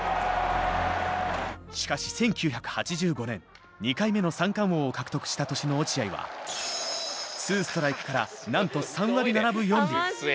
しかし１９８５年２回目の三冠王を獲得した年の落合は２ストライクからなんと３割７分４厘。